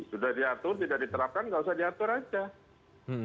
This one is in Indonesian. sudah diatur tidak diterapkan tidak usah diatur saja